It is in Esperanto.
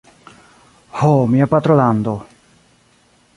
Ho, mia patrolando!